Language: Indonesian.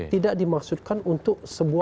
tidak dimaksudkan untuk sebuah